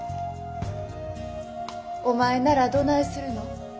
お前ならどないするの？